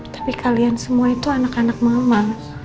tapi kalian semua itu anak anak mama